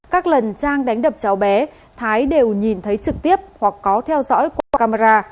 các lần trang đánh đập cháu bé thái đều nhìn thấy trực tiếp hoặc có theo dõi qua camera